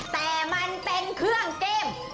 แต่มันเป็นเครื่องแก้ม